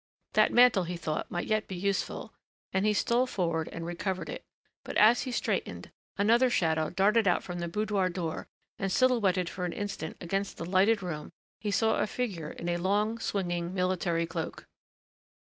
That mantle, he thought, might yet be useful, and he stole forward and recovered it, but, as he straightened, another shadow darted out from the boudoir door and silhouetted for an instant against the lighted, room he saw a figure in a long, swinging military cloak.